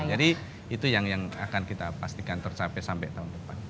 jadi itu yang akan kita pastikan tercapai sampai tahun depan